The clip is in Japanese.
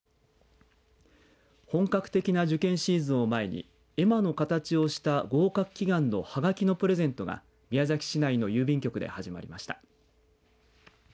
本格的な受験シーズンを前に絵馬の形をした合格祈願のはがきのプレゼントが宮崎市内の郵便局で始まりました。